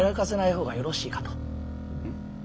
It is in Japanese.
うん？